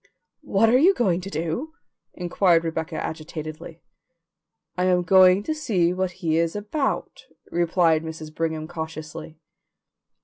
"What are you going to do?" inquired Rebecca agitatedly. "I am going to see what he is about," replied Mrs. Brigham cautiously.